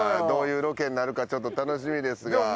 どういうロケになるかちょっと楽しみですが。